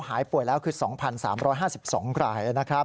หายป่วยแล้วคือ๒๓๕๒ราย